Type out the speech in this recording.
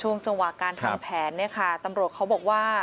ช่วงจังหวะการทำแผนเนี่ยค่ะตำรวจเขาบอกว่า